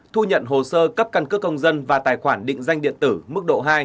thu nhận hồ sơ cấp căn cước công dân và tài khoản định danh điện tử mức độ hai